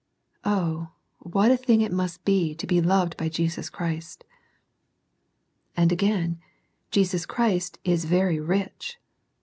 Oh, what a thing it must be to be loved by Jesus Christ ! And again, Jesus Christ is very rich.